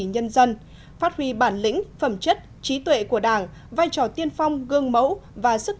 nhân dân phát huy bản lĩnh phẩm chất trí tuệ của đảng vai trò tiên phong gương mẫu và sức